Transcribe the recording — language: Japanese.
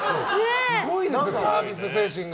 すごいですね、サービス精神が。